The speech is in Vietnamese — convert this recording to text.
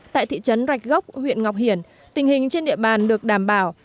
tại thị trấn rạch gốc huyện ngọc hiển tình hình trên địa bàn được đảm bảo